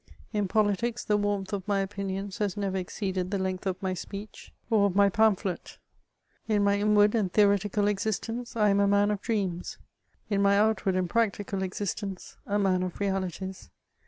In politics, the warmth of my opinions has never exceeded the length of my speech, or of my pamphlet. In my inward and theoretical existence, I am a man of <&eams ; in my outward and practical existence, a man of realities.